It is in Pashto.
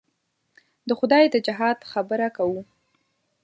د خدای د جهاد خبره کوو.